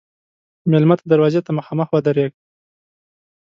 مېلمه ته دروازې ته مخامخ ودریږه.